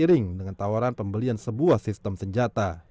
seiring dengan tawaran pembelian sebuah sistem senjata